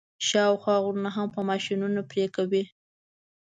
شاوخوا غرونه هم په ماشینونو پرې کوي.